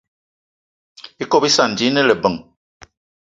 Ikob íssana ji íne lebeng.